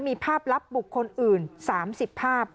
มีภาพลับบุคคลอื่น๓๐ภาพ